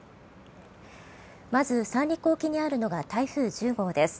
まず三陸沖にあるのが台風１０号です。